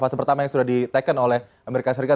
fase pertama yang sudah diteken oleh amerika serikat